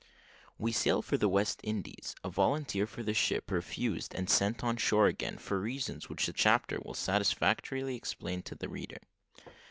WE SAIL FOR THE WEST INDIES A VOLUNTEER FOR THE SHIP REFUSED AND SENT ON SHORE AGAIN, FOR REASONS WHICH THE CHAPTER WILL SATISFACTORILY EXPLAIN TO THE READER.